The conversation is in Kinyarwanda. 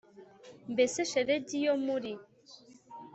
Mbese shelegi yo muri